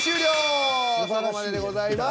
そこまででございます。